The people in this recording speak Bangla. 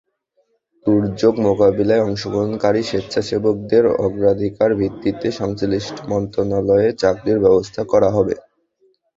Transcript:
দুর্যোগ মোকাবিলায় অংশগ্রহণকারী স্বেচ্ছাসেবকদের অগ্রাধিকার ভিত্তিতে সংশ্লিষ্ট মন্ত্রণালয়ে চাকরির ব্যবস্থা করা হবে।